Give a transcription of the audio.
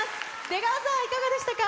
出川さん、いかがでしたか。